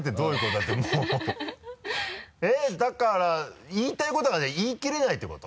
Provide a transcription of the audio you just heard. だってもう えっ？だから言いたいことが言い切れないってこと？